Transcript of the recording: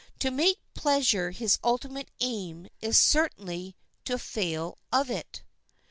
To make pleasure his ultimate aim is certainly to fail of it.